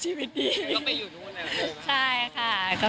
พี่เอ๊ะสศิการแกก็